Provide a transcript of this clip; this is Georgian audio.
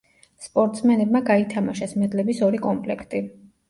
სპორტსმენებმა გაითამაშეს მედლების ორი კომპლექტი.